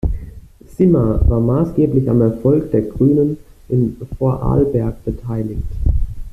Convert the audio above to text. Simma war maßgeblich am Erfolg der Grünen in Vorarlberg beteiligt.